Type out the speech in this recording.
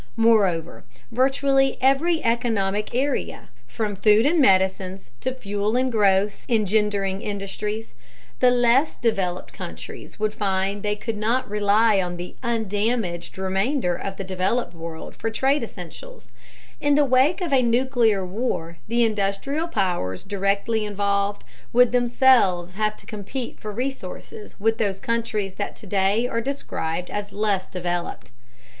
Moreover, virtually every economic area, from food and medicines to fuel and growth engendering industries, the less developed countries would find they could not rely on the "undamaged" remainder of the developed world for trade essentials: in the wake of a nuclear war the industrial powers directly involved would themselves have to compete for resources with those countries that today are described as "less developed."